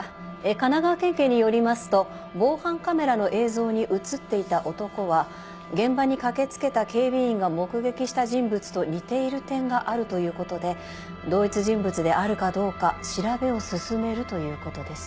神奈川県警によりますと防犯カメラの映像に写っていた男は現場に駆け付けた警備員が目撃した人物と似ている点があるということで同一人物であるかどうか調べを進めるということです。